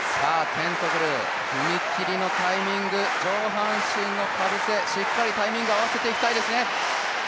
テントグル踏み切りのタイミング上半身のかぶせ、しっかりタイミング合わせていきたいですね。